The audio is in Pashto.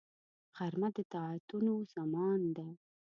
غرمه د طاعتونو زمان ده